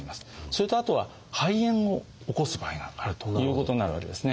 それとあとは肺炎を起こす場合があるということになるわけですね。